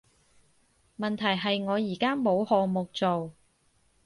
問題係我而家冇項目做